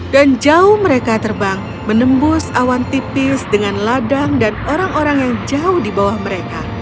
dan jauh mereka terbang menembus awan tipis dengan ladang dan orang orang yang jauh di bawah mereka